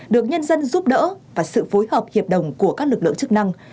được nhân dân giúp đỡ và sự phối hợp hiệp đồng của các lực lượng chức năng